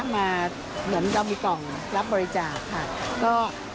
เหมือนเรามีกล่องรับบริจาคค่ะ